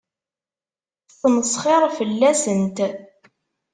Tettmesxiṛ fell-asent.